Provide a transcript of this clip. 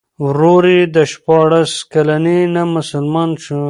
ورور یې د شپاړس کلنۍ نه مسلمان شو.